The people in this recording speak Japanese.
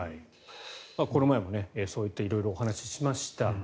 この前もそういった色々お話ししました。